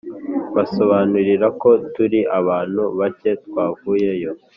Mbasobanurira ko turi abantu bake twavuyeyo